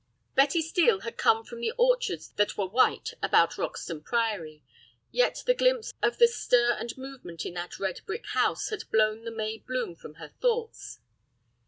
Betty Steel had come from the orchards that were white about Roxton Priory, yet the glimpse of the stir and movement in that red brick house had blown the May bloom from her thoughts.